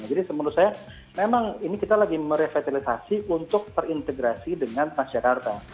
jadi menurut saya memang ini kita lagi merevitalisasi untuk terintegrasi dengan transjakarta